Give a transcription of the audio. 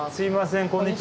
こんにちは。